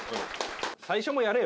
最初もやれよ。